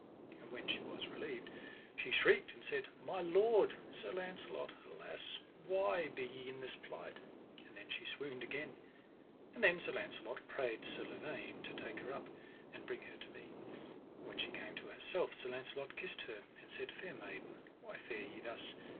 And when she was relieved, she shrieked and said: My lord, Sir Launcelot, alas why be ye in this plight? and then she swooned again. And then Sir Launcelot prayed Sir Lavaine to take her up: And bring her to me. And when she came to herself Sir Launcelot kissed her, and said: Fair maiden, why fare ye thus?